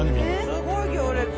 すごい行列。